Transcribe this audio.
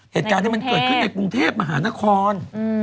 เหตุการณ์นี้มันเกิดขึ้นในกรุงเทพมหานคร